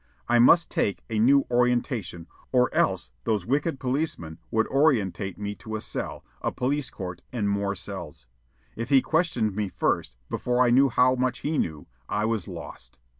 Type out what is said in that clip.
I must take a new orientation, or else those wicked policemen would orientate me to a cell, a police court, and more cells. If he questioned me first, before I knew how much he knew, I was lost.